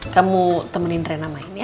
kamu temenin rena main ya